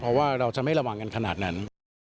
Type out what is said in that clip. เพราะว่าเราจะไม่ระวังกันขนาดนั้น